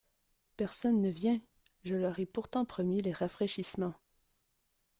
Personne ne vient ! je leur ai pourtant promis les rafraîchissements.